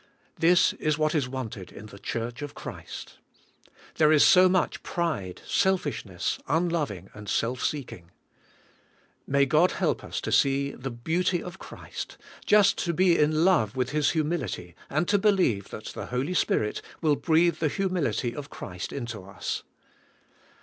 This is what is wanted in the church of Christ. There is so much pride, selfishness, unloving and self seeking. ]May God help us to see the beauty of BK FII.I.BD WITH THE SPIRIT. 125 Christ, just to be in love with His humility and to believe that the Holy Spirit will breathe the hu mility of Christ into us.